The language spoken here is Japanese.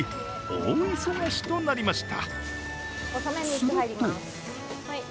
大忙しとなりました。